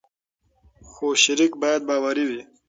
خو شریک باید باوري وي.